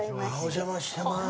お邪魔してます。